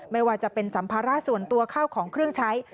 ไม่ว่าจะเป็นสัมภาระส่วนตัวข้าวของเครื่องใช้